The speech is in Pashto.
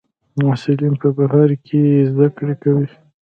محصلین په بهر کې زده کړې کوي.